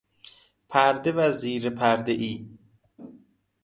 پرده و زیر پرده ای